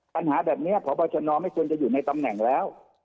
ปัญหาแบบนี้พบชนไม่ควรจะอยู่ในตำแหน่งแล้ว